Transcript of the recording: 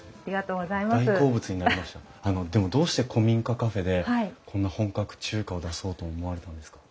あのでもどうして古民家カフェでこんな本格中華を出そうと思われたんですか？